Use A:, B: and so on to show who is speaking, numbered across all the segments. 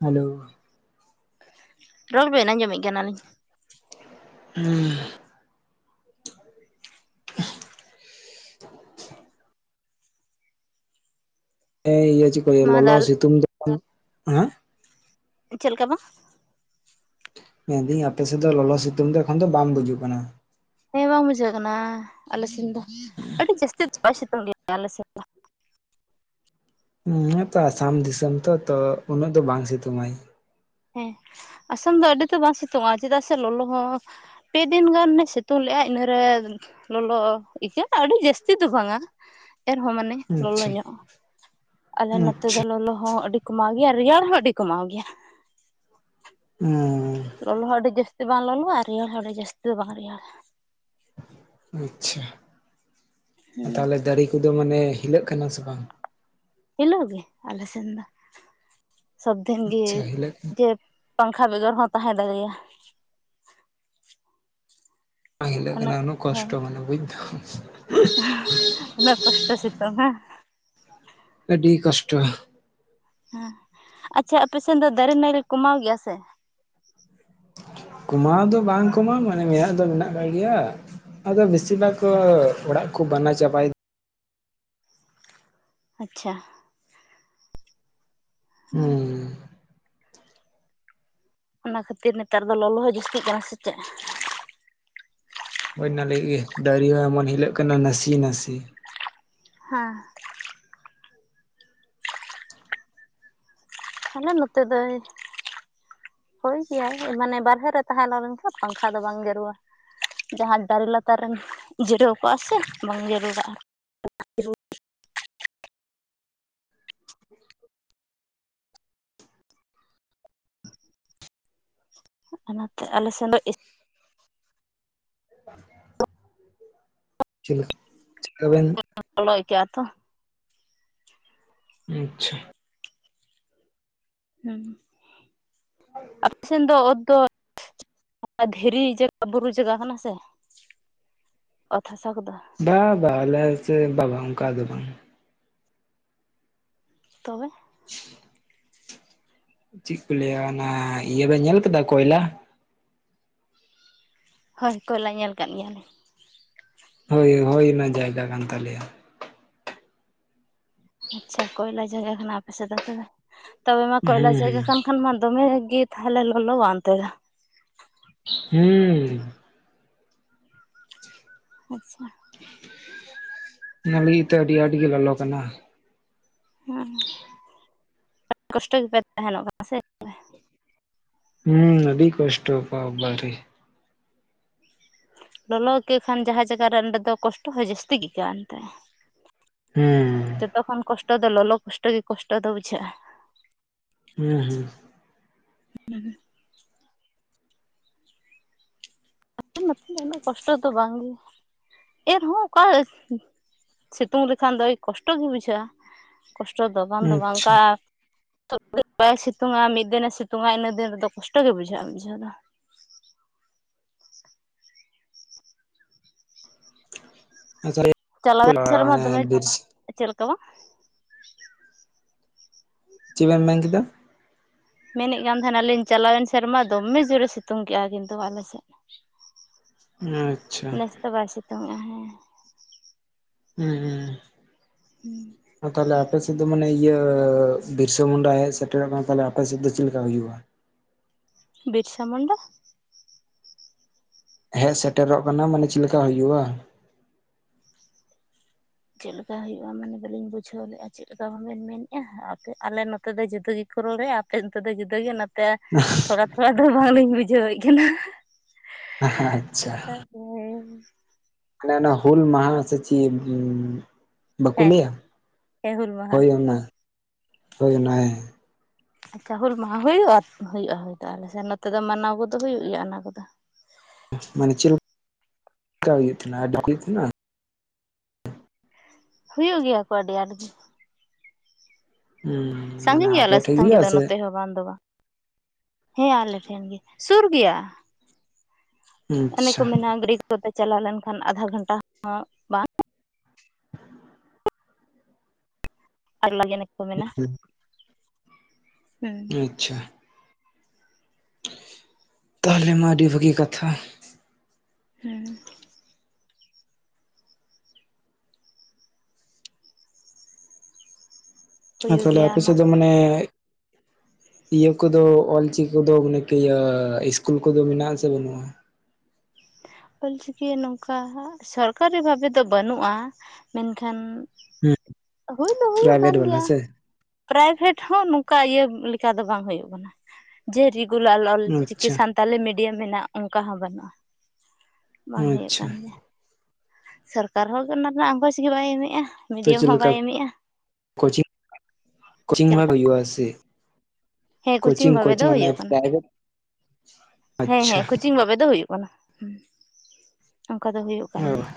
A: Hello
B: ᱨᱚᱝ ᱵᱮᱱ ᱟᱸᱡᱚᱢᱮᱫ ᱠᱟᱱᱟᱞᱤᱧ
A: ᱦᱩᱸ ᱦ ᱤᱭᱟᱹ ᱪᱮᱫ ᱠᱚ
B: ᱢᱟ
A: ᱞᱮᱣᱟ ᱞᱚᱞ
B: ᱫᱟᱞ
A: ᱥᱤᱛᱩᱢ ᱫ ᱦᱮᱸ
B: ᱪᱮᱫ ᱞᱮᱠᱟ ᱵᱟᱝ
A: ᱢᱮᱱᱫᱟᱹᱧ ᱟᱯᱮᱥᱮᱫ ᱫᱚ ᱞᱚᱞᱚ ᱥᱤᱛᱩᱝ ᱫᱚ ᱮᱠᱷᱚᱱ ᱫᱚ ᱵᱟᱝᱢ ᱵᱩᱡᱩᱜ ᱠᱟᱱᱟ ᱾
B: ᱦᱮᱸ ᱵᱟᱝ ᱵᱩᱡᱷᱟᱹᱜ ᱠᱟᱱᱟ ᱟᱞᱮ ᱥᱮᱱ ᱫᱚ ᱟᱹᱰᱤ ᱡᱟᱹᱥᱛᱤ ᱫᱚ ᱵᱟᱭ ᱥᱤᱛᱩᱝ ᱜᱮᱣᱟ ᱟᱞᱮ ᱥᱮᱱ ᱫᱚ ᱾
A: ᱤᱧ ᱟᱛᱚ ᱟᱥᱟᱢ ᱫᱤᱥᱚᱢ ᱛᱚ ᱛᱚ ᱩᱱᱟᱹᱜ ᱫᱚ ᱵᱟᱝ ᱥᱤᱛᱩᱝ ᱟᱭ᱾
B: ᱦᱮᱸ ᱟᱥᱟᱢ ᱫᱚ ᱟᱹᱰᱤ ᱛᱚ ᱵᱟᱝ ᱥᱤᱛᱩᱝ-ᱟ ᱪᱮᱫᱟᱜ ᱥᱮ ᱞᱚᱞᱚ ᱦᱚᱸ ᱯᱮ ᱫᱤᱱ ᱜᱟᱱᱮ ᱥᱤᱛᱩᱝ ᱞᱮᱫ-ᱟ ᱤᱱᱟᱹᱨᱮ ᱞᱚᱞᱚ ᱤᱭᱟᱹ ᱟᱹᱰᱤ ᱡᱟᱹᱥᱛᱤ ᱫᱚ ᱵᱟᱝᱟ ᱮᱱᱦᱚᱸ ᱢᱟᱱᱮ ᱞᱚᱞᱚ
A: ᱟᱪᱪᱷᱟ
B: ᱧᱚᱜᱼᱟ ᱟᱞᱮ ᱱᱚᱛᱮ ᱫᱚ
A: ᱟᱪᱪᱷᱟ
B: ᱞᱚᱞᱚ ᱦᱚᱸ ᱟᱹᱰᱤ ᱠᱚᱢᱟᱣ ᱜᱮᱭᱟ ᱨᱮᱭᱟᱲ ᱦᱚᱸ ᱟᱹᱰᱤ ᱠᱚᱢᱟᱣ ᱜᱮᱭᱟ ᱾
A: ᱦᱩᱸᱻ
B: ᱞᱚᱞᱚ ᱦᱚᱸ ᱟᱹᱰᱤ ᱡᱟᱹᱥᱛᱤ ᱵᱟᱝ ᱞᱚᱞᱚᱜ-ᱟ ᱨᱮᱭᱟᱲ ᱦᱚᱸ ᱟᱹᱰᱤ ᱡᱟᱹᱥᱛᱤ ᱫᱚ ᱵᱟᱝ ᱨᱮᱭᱟᱲᱟ
A: ᱟᱪᱪᱷᱟ ᱛᱟᱦᱚᱞᱮ ᱫᱟᱨᱮ ᱠᱚᱫᱚ ᱢᱟᱱᱮ ᱦᱤᱞᱟᱹᱜ ᱠᱟᱱᱟ ᱥᱮ ᱵᱟᱝ
B: ᱦᱤᱞᱳᱜ ᱜᱮ ᱟᱞᱮ ᱥᱮᱱ ᱫᱚ ᱥᱚᱵ ᱫᱤᱱ ᱜᱮ
A: ᱟᱪᱪᱷᱟ ᱦᱤᱞᱟᱹᱜ ᱠᱟᱱᱟ
B: ᱡᱮ ᱯᱟᱝᱠᱷᱟ ᱵᱮᱜᱚᱨ ᱦᱚᱸ ᱛᱟᱦᱮᱸ ᱫᱟᱲᱮᱭᱟᱜᱼᱟ
A: ᱵᱟᱝ ᱦᱤᱞᱳᱹᱜ
B: ᱩᱱᱟᱹᱜ
A: ᱠᱟᱱᱟ ᱩᱱᱟᱹ
B: ᱦᱮᱸ
A: ᱠᱚᱥᱴᱚ ᱢᱟᱱᱮ ᱵᱩᱡ ᱫᱟᱹᱢ
B: ᱩᱱᱟᱹᱜ ᱠᱚᱥᱴᱚ ᱥᱤᱛᱩᱝ ᱵᱟ
A: ᱟᱹᱰᱤ ᱠᱚᱥᱴᱚ ᱾
B: ᱦᱮᱸ ᱟᱪᱪᱷᱟ ᱟᱯᱮᱥᱮᱫ ᱫᱚ ᱫᱟᱨᱮ ᱱᱟᱹᱲᱤ ᱠᱚᱢᱟᱣ ᱜᱮᱭᱟ ᱥᱮ
A: ᱠᱚᱢᱟᱣ ᱫᱚ ᱵᱟᱝ ᱠᱚᱢᱟᱣᱟ ᱢᱟᱱᱮ ᱢᱮᱫ ᱫᱚ ᱢᱮᱱᱟᱜ ᱟᱠᱟᱫ ᱜᱮᱭᱟ ᱟᱫᱚ ᱵᱤᱥᱤᱨ ᱵᱷᱟᱜᱽ ᱚᱲᱟᱜ ᱠᱚ ᱵᱮᱱᱟᱣ ᱪᱟᱵᱟᱭᱮᱫᱟ
B: ᱟᱪᱪᱷᱟ ᱦᱸ
A: ᱦᱩᱸ
B: ᱚᱱᱟ ᱠᱷᱟᱹᱛᱤᱨ ᱱᱮᱛᱟᱨ ᱫᱚ ᱞᱚᱞᱚ ᱦᱚᱸ ᱡᱟᱹᱥᱛᱤᱜ ᱠᱟᱱᱟ ᱥᱮ ᱪᱮᱫ
A: ᱦᱩᱭ‌ ᱚᱱᱟ ᱞᱟᱹᱜᱤᱫ ᱜᱮ ᱫᱟᱨᱮ ᱦᱚᱸ ᱮᱢᱚᱱ ᱦᱤᱞᱚᱜ ᱠᱟᱱᱟ ᱱᱟᱥᱮ ᱱᱟᱥᱮ
B: ᱦᱮᱸ ᱟᱞᱮ ᱱᱚᱛᱮ ᱫᱚᱭ ᱦᱳᱭ ᱜᱮᱭᱟᱭ ᱢᱟᱱᱮ ᱵᱟᱨᱦᱮ ᱨᱮ ᱛᱟᱦᱮᱸ ᱞᱮᱱᱠᱷᱟᱱ ᱯᱟᱝᱠᱷᱟ ᱫᱚ ᱵᱟᱝ ᱡᱟᱹᱨᱩᱼᱟ ᱡᱟᱦᱟᱸ ᱫᱟᱨᱮ ᱞᱟᱛᱟᱨ ᱨᱮᱢ ᱡᱤᱨᱟᱹᱣ ᱠᱚᱟᱜ-ᱟ ᱥᱮ ᱵᱟᱝ ᱡᱟᱹᱨᱩᱲᱟᱜ-ᱟ ᱚᱱᱟᱛᱮ ᱟᱞᱮ ᱥᱮᱱ ᱫᱚ
A: ᱪᱮᱜ ᱠᱟᱵᱤᱱ
B: ᱵᱚᱞᱚᱠᱟᱹᱜᱼᱟ ᱛᱚ
A: ᱟᱪᱪᱷᱟ
B: ᱦᱮᱸ ᱟᱯᱮ ᱥᱮᱱ ᱫᱚ ᱚᱛ ᱫᱚ ᱫᱷᱤᱨᱤ ᱡᱟᱭᱜᱟ ᱵᱩᱨᱩ ᱡᱟᱭᱜᱟ ᱠᱟᱱᱟ ᱥᱮ ᱚᱛ ᱦᱟᱥᱟᱚ ᱠᱫᱚ
A: ᱵᱟ ᱵᱟᱦ ᱟᱞᱮ ᱥᱮ ᱵᱟ ᱵᱟᱝ ᱚᱝᱠᱟ ᱫᱚ ᱵᱟᱝᱟ
B: ᱛᱚᱵᱮ
A: ᱪᱮᱫ ᱠᱚ ᱞᱟᱹᱭᱟ ᱚᱱᱟ ᱤᱭᱟᱹ ᱵᱮᱱ ᱧᱮᱞ ᱟᱠᱟᱫᱟ ᱠᱚᱭᱞᱟ?
B: ᱦᱳᱭ ᱠᱚᱭᱞᱟ ᱧᱮᱞ ᱟᱠᱟᱫ ᱜᱮᱭᱟᱞᱮᱧ
A: ᱦᱳᱭ ᱦᱳᱭ ᱚᱱᱟ ᱡᱟᱭᱜᱟ ᱠᱟᱱ ᱛᱟᱞᱮᱭᱟ
B: ᱟᱪᱪᱷᱟ ᱠᱚᱭᱞᱟ ᱡᱟᱭᱜᱟ ᱠᱟᱱᱟ ᱟᱯᱮᱥᱮᱫ ᱫᱚ ᱛᱮ ᱛᱚᱵᱮ ᱢᱟ ᱠᱚᱭᱞᱟ
A: ᱦᱩᱸ
B: ᱡᱟᱭᱜᱟ
A: ᱦᱩᱸ
B: ᱠᱷ ᱠᱷᱟᱱ ᱢᱟ ᱫᱚᱢᱮ ᱜᱮ ᱛᱟᱦᱞᱮ ᱞᱚᱠᱚᱣᱟ ᱚᱱᱛᱮ ᱥᱫᱚ
A: ᱦᱩᱸ
B: ᱟᱪᱪᱷᱟ
A: ᱚᱱᱟ ᱞᱟᱜᱤᱫ ᱜᱮᱛᱚ ᱟᱹᱰᱤ ᱟᱸᱴ ᱜᱮ ᱞᱚᱞᱚ ᱠᱟᱱᱟ ᱾
B: ᱦᱮᱸ ᱟᱹᱰᱤ ᱠᱚᱥᱴᱚ ᱜᱮᱯᱮ ᱛᱟᱦᱮᱱᱚᱜ ᱠᱟᱱᱟ ᱥᱮ ᱾
A: ᱦᱩᱸ ᱟᱹᱰᱤ ᱠᱚᱥᱴᱚ ᱵᱟᱵᱟᱨᱮ
B: ᱞᱚᱞᱚ ᱜᱮ ᱠᱷᱟᱱ ᱡᱟᱦᱟᱸ ᱡᱟᱭᱜᱟ ᱨᱮ ᱚᱸᱰᱮ ᱫᱚ ᱠᱚᱥᱴᱚ ᱦᱚᱸ ᱡᱟᱹᱥᱛᱤ ᱜᱮᱭᱟ ᱮᱱᱛᱮ,
A: ᱦᱩᱸ
B: ᱡᱚᱛᱚ ᱠᱷᱚᱱ ᱠᱚᱥᱴᱚ ᱫᱚ ᱞᱚᱞᱚ ᱠᱚᱥᱴᱚ ᱜᱮ ᱠᱚᱥᱴᱚ ᱫᱚ ᱵᱩᱡᱷᱟᱹᱜᱼᱟ ᱾
A: ᱦᱮᱸ ᱦᱮᱸ
B: ᱱᱚᱛᱮ ᱫᱚ ᱩᱱᱟᱹᱜ ᱠᱚᱥᱴᱚ ᱫᱚ ᱵᱟᱝᱜᱮ, ᱮᱱᱦᱚᱸ ᱚᱠᱟ ᱥᱤᱛᱩᱝ ᱞᱮᱠᱷᱟᱱ ᱫᱚᱭ ᱠᱚᱥᱴᱚ ᱜᱮ ᱵᱩᱡᱷᱟᱹᱜᱼᱟ ᱾ ᱠᱚᱥᱴᱚ ᱫᱚ ᱵᱟᱝ
A: ᱦᱩᱸ
B: ᱫᱚ ᱵᱟᱝ
A: ᱟᱪᱪᱷᱟ
B: ᱚᱱᱠᱟ, ᱥᱚᱵᱫᱤᱱ ᱵᱟᱭ ᱥᱤᱛᱩᱝᱼᱟ ᱢᱤᱫ ᱫᱤᱱᱮ ᱥᱤᱛᱩᱝᱼᱟ ᱤᱱᱟᱹ ᱫᱤᱱ ᱨᱮᱫᱚ ᱠᱚᱥᱴᱚ ᱜᱮ ᱵᱩᱡᱷᱟᱹᱜᱼᱟ ᱵᱩᱡᱷᱟᱹᱣ ᱫᱚ
A: [unintelligible]
B: ᱪᱟᱞᱟᱣᱮᱱ ᱥᱮᱨᱢᱟ
A: ᱢᱟᱱᱮ
B: ᱫᱚᱢᱮ
A: ᱵᱤᱨᱥ
B: ᱪᱮᱫ ᱞᱮᱠᱟᱣᱟ?
A: ᱪᱮᱫ ᱵᱮᱱ ᱢᱮᱱ ᱠᱮᱫᱟ,
B: ᱢᱮᱱᱮᱫ ᱠᱟᱱ ᱛᱟᱦᱮᱱᱟᱞᱤᱧ ᱪᱟᱞᱟᱣᱮᱱ ᱥᱮᱨᱢᱟ ᱫᱚᱢᱮ ᱡᱳᱨᱮ ᱥᱤᱛᱩᱝ ᱠᱮᱜᱼᱟ ᱠᱤᱱᱛᱩ ᱟᱞᱮ ᱥᱮᱫ,
A: ᱟᱪᱪᱷᱟ
B: ᱛᱚ ᱵᱟᱭ ᱥᱤᱛᱩᱝ ᱮᱸᱼᱟ ᱦᱮᱸ
A: ᱦᱩᱸ ᱦᱩᱸ
B: ᱦᱮᱸ
A: ᱟᱫᱚ ᱛᱟᱦᱚᱞᱮ, ᱟᱯ ᱥᱮᱫ ᱫᱚ ᱢᱟᱱᱮ ᱤᱭᱟᱹ ᱵᱤᱨᱥᱟᱹ ᱢᱩᱱᱰᱟᱭ ᱦᱮᱡ ᱥᱮᱴᱮᱨᱮᱱᱟ ᱛᱟᱦᱚᱞᱮ ᱟᱯᱮᱥᱮᱫ ᱫᱚ ᱪᱮᱫ ᱞᱮᱠᱟ ᱦᱩᱭᱩᱜᱼᱟ ᱾
B: ᱵᱤᱨᱥᱟ ᱢᱩᱱᱰᱟ,
A: ᱦᱮᱡ ᱥᱮᱴᱮᱨᱚᱜ ᱠᱟᱱᱟ, ᱢᱟᱱᱮ ᱪᱮᱫ ᱞᱮᱠᱟ ᱦᱩᱭᱩᱜᱼᱟ ᱾
B: ᱪᱮᱫ ᱞᱮᱠᱟ ᱦᱩᱭᱩᱜᱼᱟ ᱢᱟᱱᱮ ᱵᱟᱹᱞᱤᱧ ᱵᱩᱡᱷᱟᱹᱣ ᱞᱮᱜᱼᱟ ᱾ ᱪᱮᱫ ᱞᱮᱠᱟ ᱵᱮᱱ ᱢᱮᱱᱮᱜᱼᱟ, ᱟᱯᱮ ᱟᱞᱮ ᱱᱚᱛᱮ ᱫᱚ ᱡᱩᱫᱟᱹ ᱜᱮ ᱠᱚ ᱨᱚᱲᱮᱫ ᱟᱯᱮ ᱱᱚᱛᱮ ᱫᱚ ᱡᱩᱫᱟᱹᱜᱮ ᱱᱟᱛᱮ ᱛᱷᱚᱲᱟ ᱛᱷᱚᱲᱟ ᱫᱚ ᱵᱟᱝᱞᱤᱧ ᱵᱩᱡᱷᱟᱹᱣᱮᱫ ᱠᱟᱱᱟ ᱾
A: ᱟᱪᱪᱷᱟ
B: ᱦᱮᱸ
A: ᱢᱟᱱᱮ ᱚᱱᱟ ᱦᱩᱞ ᱢᱟᱦᱟ ᱥᱮ ᱪᱮᱫ? ᱵᱟᱠᱚ
B: ᱦᱮᱸ
A: ᱞᱟᱹᱭᱟ
B: ᱦᱮᱸ ᱦᱩᱞ ᱢᱟᱦᱟ
A: ᱦᱳᱭ ᱚᱱᱟ ᱦᱳᱭ ᱚᱱᱟ ᱦᱮᱸ
B: ᱟᱪᱪᱷᱟ ᱦᱩᱞ ᱢᱟᱦᱟ ᱦᱩᱭᱩᱜᱼᱟ ᱦᱩᱭᱩᱜᱼᱟ ᱦᱩᱭ ᱫᱚ ᱟᱞᱮ ᱥᱮᱱ ᱱᱚᱛᱮ ᱫᱚ ᱢᱟᱱᱟᱣ ᱠᱚᱫᱚ ᱦᱩᱭᱩᱜ ᱜᱮᱭᱟ ᱚᱱᱟ ᱠᱚᱫᱚ
A: ᱢᱟᱱᱮ ᱪᱮᱫ ᱠᱟ ᱦᱩᱭᱩᱜ ᱛᱟᱦᱮᱱᱟ, ᱟᱰᱚᱠ ᱮᱫ ᱛᱟᱦᱮᱱᱟ ᱾
B: ᱦᱩᱭᱩᱜ ᱜᱮᱭᱟ ᱠᱚ ᱟᱹᱰᱤ ᱟᱸᱴᱜᱤ
A: ᱦᱩᱸ
B: ᱥᱟᱸᱜᱮ
A: ᱢᱟᱱᱮ
B: ᱜᱮᱭᱟ ᱞᱮ
A: ᱟᱯᱮ ᱴᱷᱮᱡ
B: ᱥᱟᱸᱜᱮ
A: ᱜᱮ
B: ᱫᱚ
A: ᱥᱮ
B: ᱱᱚᱛᱮ ᱦᱚᱸ ᱵᱟᱝ ᱫᱚ ᱵᱟᱝ, ᱦᱮᱸ ᱟᱞᱮ ᱴᱷᱮᱱ ᱜᱮ ᱥᱩᱨ ᱜᱮᱭᱟ᱾ ᱚᱱᱮ ᱠᱚ
A: ᱟᱪᱪᱷᱟ
B: ᱢᱮᱱᱟ ᱜᱨᱤᱠ ᱠᱚᱛᱮ ᱪᱟᱞᱟᱣ ᱞᱮᱱᱠᱷᱟᱱ ᱟᱫᱷᱟ ᱜᱷᱚᱱᱴᱟ ᱦᱚᱸ ᱵᱟᱝ, ᱟᱨ [unintelligible] ᱠᱚ ᱢᱮᱱᱟ ᱾
A: ᱚ ᱟᱪᱪᱷᱟ ᱛᱟᱦᱚᱞᱮ ᱢᱟ ᱟᱰᱤ ᱵᱷᱟᱹᱜᱤ ᱠᱟᱛᱷᱟ ᱾
B: ᱦᱮᱸ
A: ᱦᱮ
B: ᱦᱩᱭᱩᱜ
A: ᱛᱟᱦᱚᱞᱮ
B: ᱜᱮᱭᱟ
A: ᱟᱯᱮ
B: ᱚᱱᱟ
A: ᱥᱮᱫ ᱫᱚ ᱢᱟᱱᱮ ᱤᱭᱟᱹ ᱠᱚᱫᱚ ᱚᱞ ᱪᱤᱠᱤ ᱠᱚᱫᱚ ᱢᱟᱱᱮ ᱤᱭᱟᱹ ᱤᱥᱠᱩᱞ ᱠᱚᱫᱚ ᱢᱮᱱᱟᱜ ᱟᱥᱮ ᱵᱟᱹᱱᱩᱜᱼᱟ?
B: ᱚᱞᱪᱤᱠᱤ ᱱᱚᱝᱠᱟ ᱥᱚᱨᱠᱟᱨᱤ ᱵᱷᱟᱵᱮ ᱫᱚ ᱵᱟᱹᱱᱩᱜᱼᱟ, ᱢᱮᱱᱠᱷᱟᱱ
A: ᱦᱩᱸ
B: ᱦᱩᱭ ᱫᱚ ᱦᱩᱭᱩᱜ
A: ᱯᱨᱟᱭᱵᱷᱮᱴ
B: ᱠᱟᱱ
A: ᱵᱟᱞᱟ
B: ᱜᱮᱭᱟ
A: ᱥᱮ
B: ᱾ ᱯᱨᱟᱭᱵᱷᱮᱴ ᱦᱚᱸ ᱱᱚᱝᱠᱟ ᱤᱭᱟᱹ ᱞᱮᱠᱟ ᱫᱚ ᱵᱟᱝ ᱦᱩᱭᱩᱜ ᱠᱟᱱᱟ ᱡᱮ ᱨᱮᱜᱩᱞᱟᱨ ᱚᱞᱪᱤᱠᱤ
A: ᱟᱪᱪᱷᱟ
B: ᱥᱟᱱ ᱛᱟᱞᱤ ᱢᱤᱰᱤᱭᱟᱢ ᱢᱮᱱᱟᱜ ᱚᱱᱠᱟ ᱦᱚᱸ ᱵᱟᱹᱱᱩᱜᱼᱟ ᱾ ᱵᱟᱝ ᱦᱩᱭᱩᱜ
A: ᱟᱪᱪᱷᱟ
B: ᱠᱟᱱ ᱜᱮᱭᱟ ᱾ ᱥᱚᱨᱠᱟᱨ ᱦᱚᱸ ᱚᱱᱟ ᱨᱮᱱᱟᱜ ᱟᱸᱜᱚᱪ ᱜᱮ ᱵᱟᱭ ᱮᱢᱮᱜᱼᱟ ᱾
A: ᱛᱚ ᱪᱮᱫ ᱞᱮᱠᱟ ᱠᱳᱪᱤᱝ ᱠᱳᱪᱤᱝ
B: ᱪᱮᱫ
A: ᱦᱚᱸ ᱵᱟᱝ
B: ᱞᱮᱠᱟ
A: ᱦᱩᱭᱩᱜᱼᱟ ᱥᱮ,
B: ᱦᱮᱸ ᱠᱳᱪᱤᱝ ᱵᱷᱟᱵᱮ ᱫᱚ ᱦᱩᱭᱩᱜ ᱠᱟᱱᱟ ᱦᱮᱸ
A: ᱟᱪᱪᱷᱟ
B: ᱦᱮᱸ ᱠᱳᱪᱤᱝ ᱵᱷᱟᱵᱮ ᱫᱚ ᱦᱩᱭᱩᱜ ᱠᱟᱱᱟ ᱾ ᱠᱟᱱᱟ ᱦᱩᱸ ᱚᱝᱠᱟ ᱫᱚ ᱦᱩᱭᱩᱜ ᱠᱟᱱ
A: ᱚ
B: ᱜᱮᱭᱟ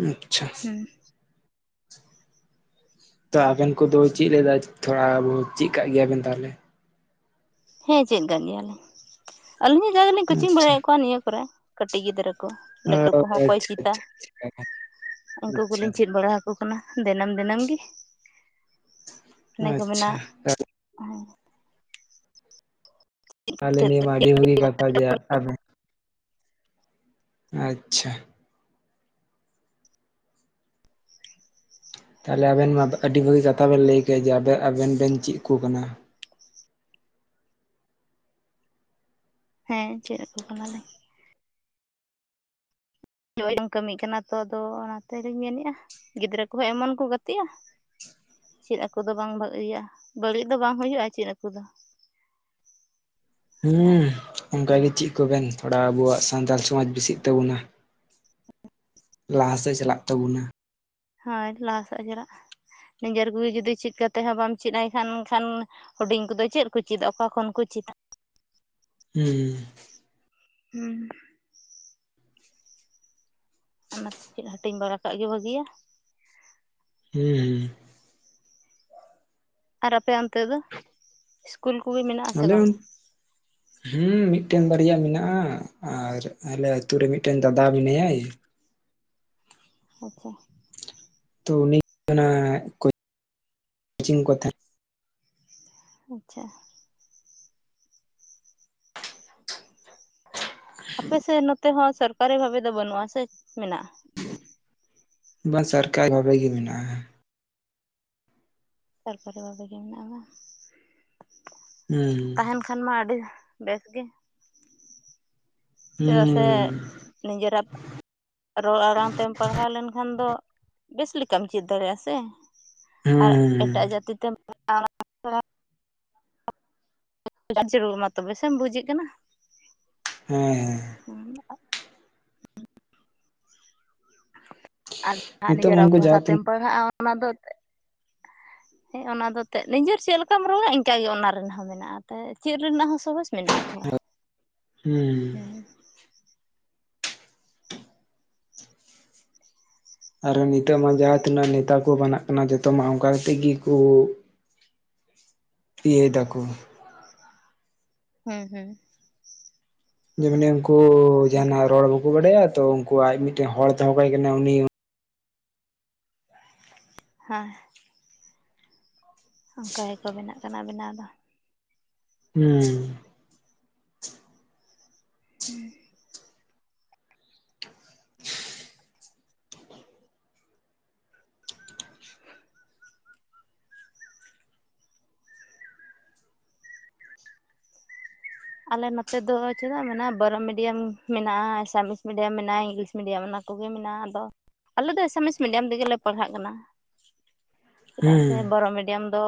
A: ᱟᱪᱪᱷᱟ
B: ᱦᱩᱸ
A: ᱛᱚ ᱟᱵᱮᱱ ᱠᱚᱫᱚ ᱪᱮᱫ ᱞᱮᱫᱟ ᱛᱷᱚᱲᱟ ᱵᱳ ᱪᱮᱫ ᱠᱟᱜ ᱜᱮᱭᱟᱵᱮᱱ ᱛᱟᱦᱚᱞᱮ
B: ᱦᱮᱸ ᱪᱮᱫ ᱠᱟᱜ ᱜᱮᱭᱟᱞᱤᱧ ᱟᱹᱞᱤᱧᱟᱜ ᱡᱟᱜ ᱫᱟᱞᱤᱧ ᱠᱳᱪᱤᱝ
A: ᱟᱪᱪᱷᱟ
B: ᱵᱟᱲᱟᱭᱮᱫ ᱠᱚᱣᱟ ᱱᱤᱭᱟᱹ ᱠᱚᱨᱮ ᱠᱟᱹᱴᱤᱡ ᱜᱤᱫᱽᱨᱟᱹ ᱠᱚ
A: ᱚ
B: ᱞᱟᱹᱴᱩ ᱠᱚᱦᱚᱸ ᱠᱚᱠᱚᱭ
A: ᱟᱪᱪᱷᱟ
B: ᱪᱮᱛᱟ ᱩᱱᱠᱩ
A: ᱟᱪᱪᱷᱟ
B: ᱠᱚᱞᱤᱧ ᱪᱮᱫ ᱵᱟᱲᱟᱦᱟᱠᱚ ᱠᱟᱱᱟ ᱫᱤᱱᱟᱹᱢ ᱫᱤᱱ ᱫᱤᱱᱟᱹᱢ ᱜᱮ
A: ᱟᱪᱪᱷᱟ
B: ᱮᱱᱮ ᱠᱚ
A: ᱟᱪᱪᱷᱟ
B: ᱢᱮᱱᱟᱜ
A: ᱛᱟᱞᱮ ᱱᱤᱭᱟᱹ ᱢᱟ ᱟᱹᱰᱤ ᱵᱷᱟᱹᱜᱤ ᱠᱟᱛᱷᱟ ᱡᱮ ᱟᱵᱮᱱ ᱟᱪᱪᱷᱟ ᱛᱟᱦᱚᱞᱮ ᱟᱵᱮᱱ ᱢᱟ ᱟᱹᱰᱤ ᱵᱷᱟᱹᱜᱤ ᱠᱟᱛᱷᱟ ᱵᱮᱱ ᱞᱟᱹᱭ ᱠᱮᱜ ᱡᱮ ᱟᱵᱮᱱ ᱵᱮᱱ ᱪᱮᱫ ᱟᱠᱩ ᱠᱟᱱᱟ
B: ᱦᱮᱸ ᱪᱮᱫ ᱟᱠᱩ ᱠᱟᱱᱟᱞᱮ [unintelligible] ᱠᱟᱹᱢᱤ ᱠᱟᱱᱟ ᱛᱚ ᱟᱫᱚ ᱚᱱᱟ ᱛᱮᱞᱤᱧ ᱢᱮᱱᱮᱫᱼᱟ ᱜᱤᱫᱽᱨᱟᱹ ᱠᱚᱦᱚᱸ ᱮᱢᱚᱱ ᱠᱚ ᱜᱟᱛᱮᱜᱼᱟ ᱾ ᱪᱮᱫ ᱟᱠᱚ ᱫᱚ ᱵᱟᱝ ᱵᱷᱟᱹᱜᱤᱭᱟ ᱵᱟᱹᱲᱤᱡ ᱫᱚ ᱵᱟᱝ ᱦᱳᱭᱳᱜᱼᱟ ᱪᱮᱫ ᱱᱩᱠᱳ ᱫᱚ,
A: [unintelligible] ᱦᱩᱸ ᱚᱝᱠᱟᱜᱤ ᱪᱮᱫ ᱠᱩᱵᱮᱱ ᱛᱷᱚᱲᱟ ᱟᱵᱩᱣᱟᱜ ᱥᱟᱱᱛᱟᱞ ᱥᱚᱢᱟᱡᱽ ᱵᱤᱥᱤᱜ ᱛᱟᱵᱚᱱᱟ ᱞᱟᱦᱟᱥᱮᱫ ᱪᱟᱞᱟᱜ ᱛᱟᱵᱩᱱᱟ
B: ᱦᱳᱭ ᱞᱟᱦᱟᱥᱮᱫ ᱪᱟᱞᱟᱜ ᱱᱤᱡᱮᱨ ᱠᱚᱜᱤ ᱡᱩᱫᱤ ᱪᱤᱫ ᱠᱟᱛᱮᱫ ᱦᱚᱸ ᱵᱟᱢ ᱪᱮᱫ ᱟᱭ ᱠᱷᱟᱱ ᱠᱷᱟᱱ ᱦᱩᱰᱤᱧ ᱠᱚᱫᱚ ᱪᱮᱫ ᱠᱚ ᱪᱮᱫᱟ ᱚᱠᱟ ᱠᱷᱚᱱ ᱠᱚ ᱪᱮᱫᱟ
A: ᱦᱩᱸ
B: ᱦᱩᱸ ᱚᱱᱟᱛᱮ ᱪᱮᱫ ᱦᱟᱹᱴᱤᱧ ᱵᱟᱲᱟ ᱠᱟᱜ ᱜᱮ ᱵᱷᱟᱹᱜᱤᱭᱟ
A: ᱦᱩᱸ ᱦᱩᱸ
B: ᱟᱨ ᱟᱯᱮ ᱚᱱᱛᱮ ᱫᱚ ᱤᱥᱠᱩᱞ ᱠᱩᱜᱤ ᱢᱮᱱᱟᱜ ᱟᱥᱮ
A: ᱟᱞᱮ
B: ᱵᱟᱝ
A: [inaudible] ᱦᱩᱸ ᱢᱤᱫᱴᱮᱱ ᱵᱟᱨᱭᱟ ᱢᱮᱱᱟᱜᱼᱟ ᱟᱨ ᱟᱞᱮ ᱟᱛᱳ ᱨᱮ ᱢᱤᱫᱴᱮᱱ ᱫᱟᱫᱟ ᱢᱮᱱᱟᱭᱟᱭ
B: ᱟᱪᱪᱷᱟ
A: ᱛᱚ ᱩᱱᱤ ᱚᱱᱟ ᱠᱳᱪᱤᱝ ᱠᱚ
B: ᱟᱪᱪᱷᱟ ᱟᱯᱮᱥᱮᱫ ᱱᱚᱛᱮ ᱦᱚᱸ ᱥᱚᱨᱠᱟᱨᱤ ᱵᱷᱟᱵᱮ ᱫᱚ ᱵᱟᱹᱱᱩᱜ-ᱟ ᱥᱮ ᱢᱮᱱᱟᱜ-ᱟ
A: ᱵᱟ ᱥᱟᱨᱠᱟᱭ ᱵᱷᱟᱵᱮ ᱜᱤ ᱢᱮᱱᱟᱜ-ᱟ
B: ᱥᱟᱨᱠᱟᱨᱮ ᱵᱷᱟᱵᱮ ᱜᱮ ᱢᱮᱱᱟᱜᱼᱟ ᱵᱟᱝ
A: ᱦᱩᱸ
B: ᱛᱟᱦᱮᱱ ᱠᱷ ᱮᱱᱠᱷᱟᱱ ᱢᱟ ᱟᱹᱰᱤ ᱵᱮᱥ ᱜᱮ ᱪᱮᱫᱟᱜ
A: ᱦᱩᱸ
B: ᱥᱮ ᱱᱤᱡᱮᱨᱟᱜ ᱨᱚᱲ ᱟᱲᱟᱝ ᱛᱮᱢ ᱯᱟᱲᱦᱟᱣ ᱞᱮᱱᱠᱷᱟᱱ ᱫᱚ ᱵᱮᱥ ᱞᱮᱠᱟᱢ ᱪᱮᱫ ᱫᱟᱲᱮ-ᱟᱥᱮ ᱟᱨ
A: ᱦᱩᱸ
B: ᱮᱴᱟᱜ ᱡᱟᱹᱛᱤ ᱛᱮᱢ ᱡᱟᱹᱨᱩᱲ ᱢᱟ ᱛᱚᱵᱮ ᱥᱮᱢ ᱵᱩᱡᱮᱫ ᱠᱟᱱᱟ
A: ᱦᱮᱸ ᱦᱮᱸ
B: ᱟᱨ ᱟᱨ
A: ᱱᱤᱛᱚᱜ
B: ᱱᱤᱡᱮᱨᱟᱜ
A: ᱩᱱᱠᱩ ᱡᱟᱦᱟᱸ
B: ᱵᱷᱟᱥᱟ ᱛᱮᱢ
A: ᱛᱤᱱᱟᱹᱜ
B: ᱯᱟᱲᱦᱟᱜᱼᱟ ᱚᱱᱟ ᱫᱚ
A: [unintelligible]
B: ᱦᱮᱸ ᱚᱱᱟ ᱫᱚ ᱛᱮᱜ ᱱᱤᱡᱮᱨ ᱪᱮᱫ ᱞᱮᱠᱟᱢ ᱨᱚᱲᱟ ᱤᱱᱠᱟᱜᱮ ᱚᱱᱟ ᱨᱮᱱᱟᱜ ᱦᱚᱸ ᱢᱮᱱᱟᱜ-ᱟᱛ ᱪᱮᱫ ᱨᱮᱱᱟᱜ ᱦᱚᱸ ᱥᱚᱦᱚᱡᱽ ᱢᱮᱱᱟᱜ
A: ᱦᱩᱸ ᱟᱨ ᱱᱤᱛᱚᱜ ᱢᱟ ᱡᱟᱦᱟᱸ ᱛᱤᱱᱟᱹᱜ ᱱᱮᱛᱟ ᱠᱩ ᱵᱟᱱᱟᱜ ᱠᱟᱱᱟ ᱡᱚᱛᱚ ᱢᱟ ᱚᱝᱠᱟ ᱠᱟᱛᱮᱜ ᱜᱮᱠᱚ ᱤᱭᱟᱹᱭ ᱫᱟᱠᱩ
B: ᱦᱩᱸ ᱦᱩᱸ
A: ᱡᱮᱢᱟᱱᱮ ᱩᱱᱠᱩ ᱡᱟᱦᱱᱟᱜ ᱨᱚᱲ ᱵᱟᱠᱩ ᱵᱟᱲᱟᱭᱟ ᱛᱚ ᱩᱱᱠᱩ ᱟᱡ ᱢᱤᱫᱴᱮᱱ ᱦᱚᱲ ᱛᱦᱚᱠᱟᱭ ᱠᱟᱱᱟ ᱩᱱᱤ
B: ᱦᱮᱸ ᱚᱱᱠᱟ ᱜᱮᱠᱚ ᱵᱮᱱᱟᱜ ᱠᱟᱱᱟ ᱵᱮᱱᱟᱣ ᱫᱚ
A: ᱦᱩᱸ
B: ᱦᱩᱸ ᱟᱞᱮ ᱱᱚᱛᱮ ᱫᱚ ᱪᱮᱫᱟᱜ ᱢᱮᱱᱟᱜ-ᱟ ᱵᱚᱨᱚ ᱢᱤᱰᱤᱭᱟᱢ ᱢᱮᱱᱟᱜ-ᱟ ᱟᱥᱟᱢᱤᱥ ᱢᱤᱰᱤᱭᱟᱢ ᱢᱮᱱᱟᱟᱜ-ᱟ ᱤᱝᱞᱤᱥ ᱢᱤᱰᱤᱭᱟᱢ ᱚᱱᱟ ᱠᱚᱜᱮ ᱢᱮᱱᱟᱜ-ᱟ ᱟᱫᱚ ᱟᱞᱮ ᱫᱚ ᱮᱥᱮᱢᱤᱥ ᱢᱤᱰᱤᱭᱟᱢ ᱛᱮᱜᱮ ᱞᱮ ᱯᱟᱲᱦᱟᱜ ᱠᱟᱱᱟ ᱾
A: [inaudible]
B: ᱪᱮᱫᱟᱜ ᱥᱮ ᱵᱚᱨᱚ ᱢᱤᱰᱤᱭᱟᱢ ᱫᱚ,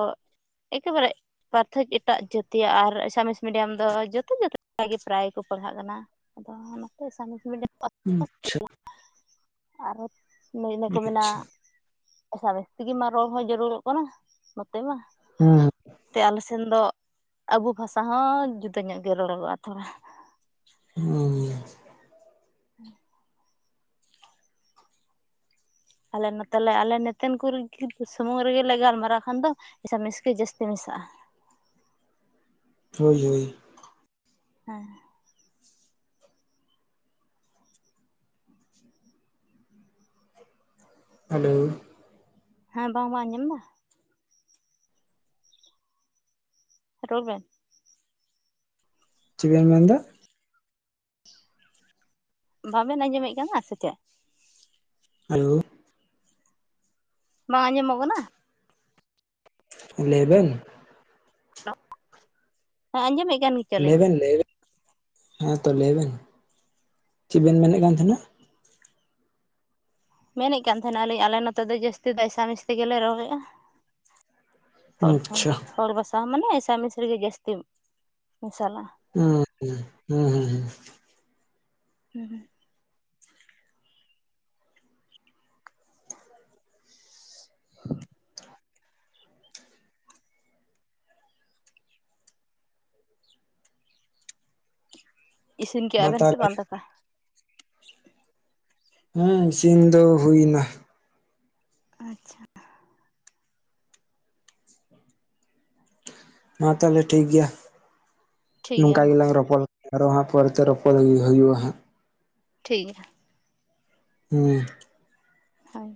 B: ᱮᱠᱮᱵᱟᱨᱮ ᱯᱟᱨᱛᱷᱚᱠ ᱮᱴᱟᱜ ᱡᱟᱹᱛᱤᱭᱚ ᱟᱨ ᱮᱥᱟᱢᱤᱥ ᱢᱤᱰᱤᱭᱟᱢ ᱫᱚ ᱡᱚᱛᱚ ᱡᱟᱹᱛ ᱜᱮ ᱯᱨᱟᱭ ᱠᱚ ᱯᱟᱲᱦᱟᱜ ᱠᱟᱱᱟ ᱟᱫᱚ ᱱᱚᱛᱮ [inaudible] ᱢᱤᱰᱤᱭᱟᱢ [inaudible]
A: ᱟᱪᱪᱷᱟ
B: ᱟᱨᱚ ᱦᱚ ᱱᱟᱹᱭ ᱠᱚ ᱢᱮᱱᱟ
A: ᱟᱪᱪᱷᱟ
B: ᱾ ᱮᱥᱟᱢᱤ ᱛᱮᱜᱤ ᱢᱟ ᱨᱚᱲ ᱦᱚᱸ ᱡᱟᱹᱨᱩᱲᱚᱜ ᱠᱟᱱᱟ ᱱᱚᱛᱮ ᱢᱟ ᱾
A: ᱦᱮᱸ
B: ᱛᱮ ᱟᱞᱮ ᱥᱮᱱ ᱫᱚ ᱟᱵᱚ ᱵᱷᱟᱥᱟ ᱦᱚᱸ ᱡᱩᱫᱟᱹ ᱧᱚᱜ ᱜᱮ ᱨᱚᱲᱚᱜᱚᱜ-ᱟ ᱛᱷᱚᱲᱟ ᱾
A: ᱦᱩᱸ
B: ᱦᱮᱸ ᱟᱞᱮ ᱱᱚᱛᱮᱞᱮ ᱟᱞᱮ ᱱᱚᱛᱮᱱ ᱠᱚᱨᱮ ᱥᱩᱢᱩᱝ ᱨᱮᱜᱮᱞᱮ ᱜᱟᱞᱢᱟᱨᱟᱣ ᱠᱷᱟᱱ ᱫᱚ, [unintelligible] ᱥᱟᱤᱥ ᱜᱮ ᱡᱟᱹᱥᱛᱤ ᱢᱮᱥᱟᱜᱼᱟ
A: ᱦᱳᱭ ᱦᱳᱭ
B: ᱦᱮᱸ
A: ᱦᱮᱞᱳ
B: ᱦᱮᱸ ᱵᱟᱝ ᱵᱟᱝ ᱟᱸᱡᱚᱢᱫᱟ? ᱨᱚᱲ ᱵᱮᱱ,
A: ᱪᱮᱫ ᱵᱮᱢ ᱢᱮᱱ ᱮᱫᱟ?
B: ᱵᱟᱵᱮᱱ ᱟᱸᱡᱚᱢᱮᱫ ᱠᱟᱱᱟ ᱥᱮ ᱪᱮᱫ?
A: ᱦᱮᱞᱳ
B: ᱵᱟᱝ ᱟᱸᱡᱚᱢᱚᱜ ᱠᱟᱱᱟ?
A: ᱞᱟᱹᱭ ᱵᱮᱱ
B: ᱦᱮᱸ ᱟᱸᱡᱚᱢᱮᱜ ᱠᱟᱱ ᱜᱤ
A: ᱞᱟᱹᱭ ᱵᱮᱱ ᱞᱟᱹᱭ ᱵᱮᱱ ᱦᱮᱸ ᱛᱚ ᱞᱟᱹᱭ ᱵᱮᱱ ᱪᱮᱫ ᱵᱮᱱ ᱢᱮᱱᱮᱫ ᱠᱟᱱ ᱛᱟᱦᱮᱱᱟ?
B: ᱢᱮᱱᱮᱫ ᱠᱟᱱ ᱛᱟᱦᱮᱱᱟᱞᱤᱧ ᱟᱞᱮ ᱱᱚᱛᱮ ᱫᱚ ᱡᱟᱹᱥᱛᱤ ᱫᱚ ᱮᱥᱟᱢᱤᱥ ᱛᱮᱜᱮᱞᱮ ᱨᱚᱲᱮᱜᱼᱟ ᱾ ᱦᱚᱲ ᱠᱷᱚᱱ
A: ᱟᱪᱪᱷᱟ
B: ᱦᱚᱲ ᱵᱟᱥᱟ ᱦᱚᱸ ᱢᱟᱱᱮ ᱮᱥᱟᱢᱤᱥᱲᱤ ᱜᱮ ᱡᱟᱹᱥᱛᱤ ᱢᱮᱥᱟᱞᱟ ᱾
A: ᱦᱩᱸ ᱦᱩᱸ ᱦᱩᱸ ᱦᱩᱸ
B: ᱦᱩᱸ ᱦᱩᱸ [inaudible] ᱤᱥᱤᱱ
A: ᱢᱟ
B: ᱠᱮᱜᱟ ᱵᱮᱱ ᱥᱮ
A: ᱛᱟᱦᱚᱞᱮ
B: ᱵᱟᱝ ᱫᱟᱠᱟ?
A: ᱦᱮᱸ ᱤᱥᱤᱱ ᱫᱚ ᱦᱩᱭ ᱮᱱᱟ ᱾
B: ᱟᱪᱪᱷᱟ
A: ᱢᱟ ᱛᱟᱦᱚᱞᱮ ᱴᱷᱤᱠ ᱜᱮᱭᱟ
B: ᱴᱷᱤᱠ ᱜᱮᱭᱟ
A: ᱱᱚᱝᱠᱟ
B: ᱢᱟ
A: ᱜᱮᱞᱟᱝ ᱨᱚᱯᱚᱲ ᱟᱨᱚ ᱦᱟᱸᱜ ᱯᱚᱨᱮ ᱛᱮ ᱨᱚᱯᱚᱲ ᱦᱩᱭ ᱦᱩᱭᱩᱜ-ᱟ ᱦᱟᱸᱜ ᱾
B: ᱴᱷᱤᱠ ᱜᱮᱭᱟ ᱾
A: ᱦᱩᱸ
B: ᱦᱳᱭ